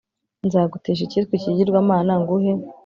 nzagutesha icyitwa ikigirwamana, nguhe